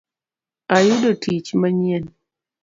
Ayudo tiich manyien